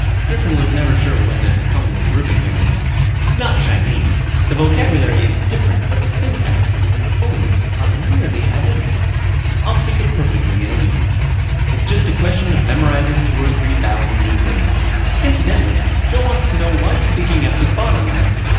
Griffin was never sure whether Kung was ribbing him or not. "Not Chinese. The vocabulary is different but the syntax and phonemes are nearly identical. I'll speak it perfectly in a week. It's just a question of memorizing two or three thousand new words. Incidentally, Joe wants to know why you're digging up his bottom land.